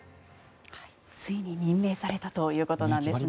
ついに任命されたということなんですね。